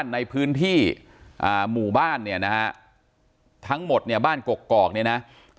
ในพื้นที่หมู่บ้านเนี่ยนะฮะทั้งหมดเนี่ยบ้านกกอกเนี่ยนะ